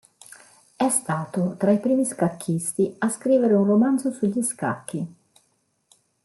È stato tra i primi scacchisti a scrivere un romanzo sugli scacchi.